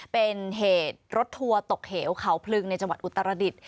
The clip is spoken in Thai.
เป็นเหตุรถทัวร์ตกเหวเขาพลึงในจังหวัดอุตรดิษฐ